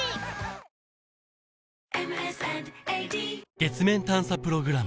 月面探査プログラム